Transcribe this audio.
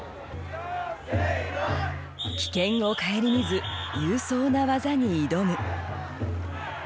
「危険を顧みず勇壮な技に挑む」。